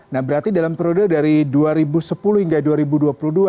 nah berarti dalam periode dari dua ribu sepuluh hingga dua ribu dua puluh dua